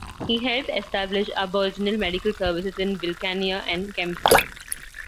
He helped establish Aboriginal Medical Services in Wilcannia and Kempsey.